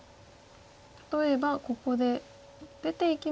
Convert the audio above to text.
例えばここで出ていきますと。